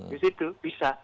di situ bisa